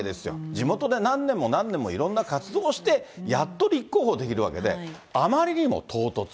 地元で何年も何年もいろんな活動してやっと立候補できるわけで、あまりにも唐突。